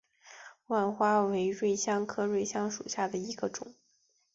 芫花为瑞香科瑞香属下的一个种。